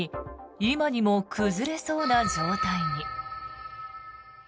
今にも崩れそうな状態に。